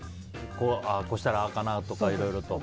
こうしたらどうかなとかいろいろと。